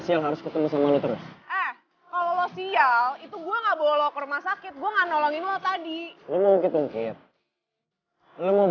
saya mau selamatkan galo